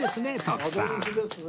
徳さん